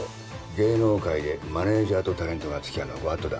芸能界でマネージャーとタレントがつきあうのはご法度だ。